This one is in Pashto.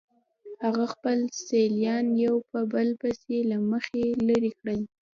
هغه خپل سیالان یو په بل پسې له مخې لرې کړل